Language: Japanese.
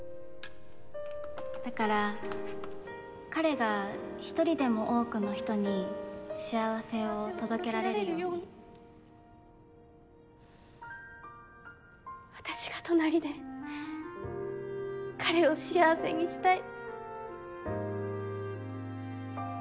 だから彼が１人でも多くの人に幸せを届けられるように幸せを届けられるように私が隣で彼を幸せにしたい。